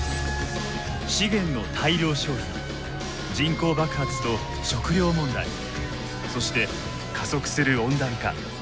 資源の大量消費人口爆発と食糧問題そして加速する温暖化。